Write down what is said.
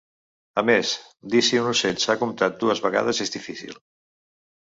A més, dir si un ocell s'ha comptat dues vegades és difícil.